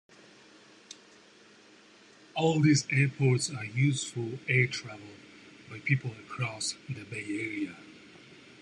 All these airports are used for air travel by people across the Bay Area.